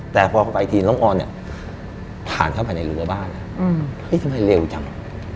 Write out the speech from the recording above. แต่พอไปทีน้องออนผ่านเข้าไปในเรือบ้านทำไมเร็วจัง